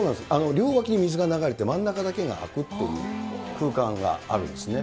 両脇に水が流れて真ん中だけが空くという、空間があるんですね。